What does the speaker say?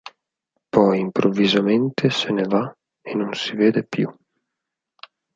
Poi improvvisamente se ne va e non si vede più.